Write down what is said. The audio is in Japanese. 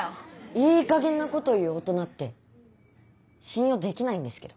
いいかげんなこと言う大人って信用できないんですけど。